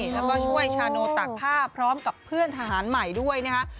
แล้วก็ช่วยชาโนตากผ้าพร้อมกับเพื่อนทหารใหม่ด้วยนะคะ